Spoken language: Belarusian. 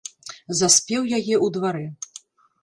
Заспеў яе ў дварэ.